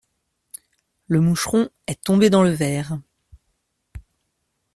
Le moucheron est tombé dans le verre.